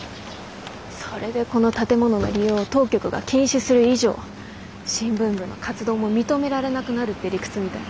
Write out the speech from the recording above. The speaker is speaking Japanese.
それでこの建物の利用を当局が禁止する以上新聞部の活動も認められなくなるって理屈みたい。